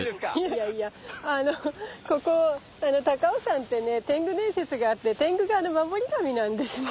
いやいやあのここ高尾山ってね天狗伝説があって天狗が守り神なんですね。